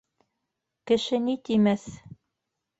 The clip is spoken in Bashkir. Кеше ни тимәҫ...